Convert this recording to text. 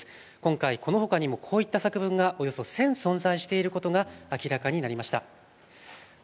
今回、このほかにもこういった作文がおよそ１０００、存在していることが明らかになりました。